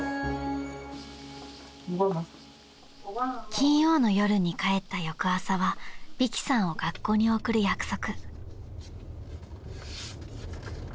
［金曜の夜に帰った翌朝は美熹さんを学校に送る約束］